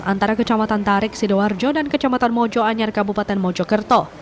antara kecamatan tarik sidoarjo dan kecamatan mojoanyar kabupaten mojokerto